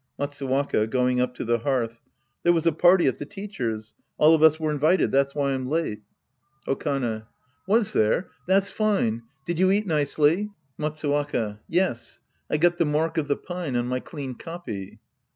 Matsuwaka {going up to the hearth). There was a party at the teacher's. All of us were invited. That's why I'm late. Sc. I The Priest and His Disciples 13 Okane. Was there? That's fine. Did you eat nicely ? Jilatsuwaka. Yes. I got the mark of the pine on my clean copy.